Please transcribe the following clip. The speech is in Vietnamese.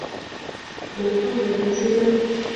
Bố con thấy cái gì đâu